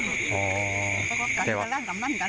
แต่ว่าก็เป็นหลานกำนันกัน